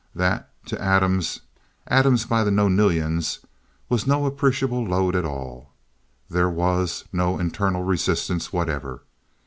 That, to atoms, atoms by the nonillions, was no appreciable load at all. There was no internal resistance whatever.